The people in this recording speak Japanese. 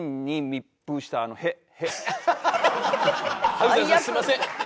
伯山さんすいません。